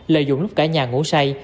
lợi dụng lúc cả nhà ngủ say